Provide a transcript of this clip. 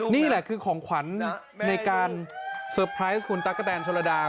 นี่แหละคือของขวัญในการเซอร์ไพรส์คุณตั๊กกะแตนชนระดา